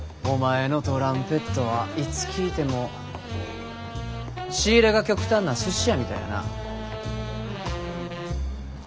お前のトランペットはいつ聴いても仕入れが極端なすし屋みたいやな。